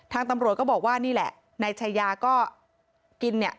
ทางตำรวจก็บอกว่านี่แหละนายชายาก็กินเนี่ย